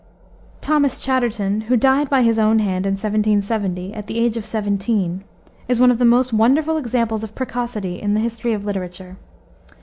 Thomas Chatterton, who died by his own hand in 1770, at the age of seventeen, is one of the most wonderful examples of precocity in the history of literature.